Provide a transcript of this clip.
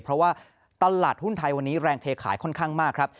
เพราะว่าตลาดหุ้นไทยวันนี้แรงเทขายค่อนข้างมากครับ